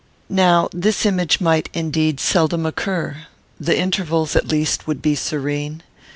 "Now, this image might, indeed, seldom occur. The intervals, at least, would be serene.